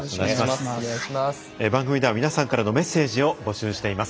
番組では皆さんからのメッセージを募集しています。